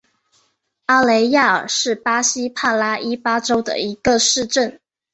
阿雷亚尔是巴西帕拉伊巴州的一个市镇。